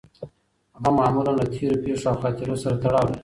غم معمولاً له تېرو پېښو او خاطرو سره تړاو لري.